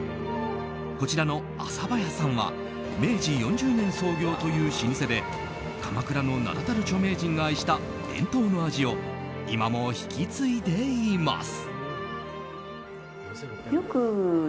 こちらの浅羽屋さんは明治４０年創業という老舗で鎌倉の名だたる著名人が愛した伝統の味を今も引き継いでいます。